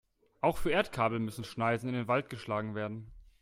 Auch für Erdkabel müssen Schneisen in den Wald geschlagen werden.